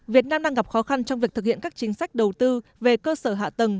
việt nam đang gặp khó khăn trong việc thực hiện các chính sách đầu tư về cơ sở hạ tầng